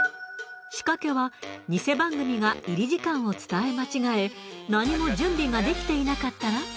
仕掛けはニセ番組が入り時間を伝え間違え何も準備ができていなかったら？